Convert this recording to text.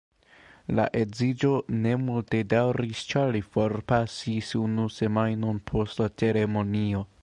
La edziĝo ne multe daŭris ĉar li forpasis unu semajnon post la ceremonio.